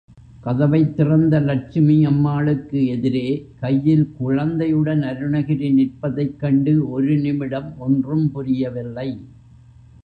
கதவைத் திறந்த லட்சுமி அம்மாளுக்கு எதிரே கையில் குழந்தையுடன் அருணகிரி நிற்பதைக் கண்டு ஒரு நிமிடம் ஒன்றும் புரியவில்லை.